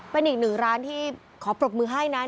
เป็นอีกหนึ่งร้านที่ขอปรบมือให้นะ